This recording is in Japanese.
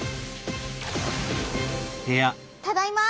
ただいま！